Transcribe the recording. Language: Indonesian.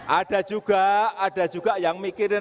ada juga ada juga yang mikirin